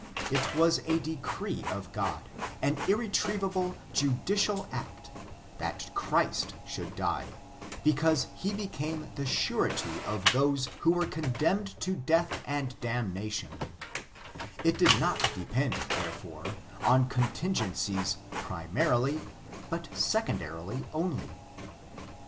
It was a decree of God, an irretrievable jWtcia/ act, that Christ should die, because he became the surety of those who were condemned to death and damnation ; it did not depend, therefore, on contingencies primarily, but secondari" ly only.